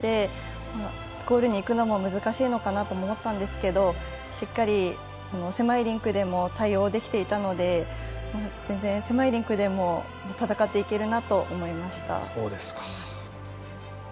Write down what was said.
相手のプレッシャーをすごく感じてゴールにいくのも難しいのかなと思ったんですがしっかり、狭いリンクでも対応できていたので全然、狭いリンクでも戦っていけるなと思いました。